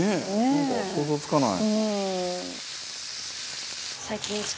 なんか、想像つかない。